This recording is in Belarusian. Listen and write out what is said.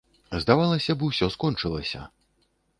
Здавалася б, усё скончылася.